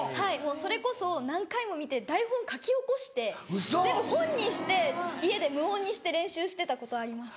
それこそ何回も見て台本書き起こして全部本にして家で無音にして練習してたことあります。